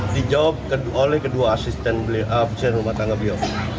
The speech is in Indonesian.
dijawab oleh kedua asisten rumah tangga beliau